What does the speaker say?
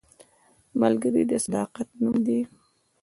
ملګری د صداقت نوم دی